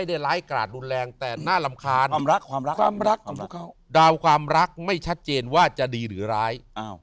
ดาวความรักไม่ชัดเจนว่าจะดีหรือร้าย